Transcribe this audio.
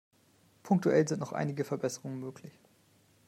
Punktuell sind noch einige Verbesserungen möglich.